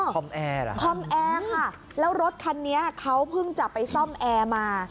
อ๋อคอมแอร์ค่ะแล้วรถคันเนี้ยเขาเพิ่งจะไปซ่อมแอร์มา